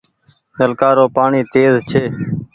نلڪآ رو پآڻيٚ تيز ڇي ۔